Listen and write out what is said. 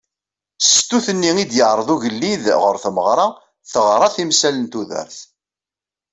Stut-nni i d-yeɛreḍ ugelliḍ ɣer tmeɣra teɣra timsal n tudert.